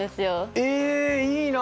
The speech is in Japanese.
えいいな！